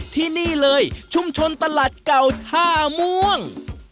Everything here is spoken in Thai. ที่นี่เลยชุมชนตลาดเก่าท่าม่วง